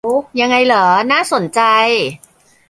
ยังไงเหรอ น่าสนใจ